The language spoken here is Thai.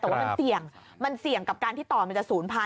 แต่ว่ามันเสี่ยงกับการที่ต่อมันจะ๐๐๐๐